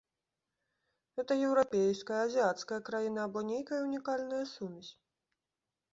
Гэта еўрапейская, азіяцкая краіна або нейкая ўнікальная сумесь?